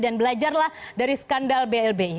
dan belajarlah dari skandal blbi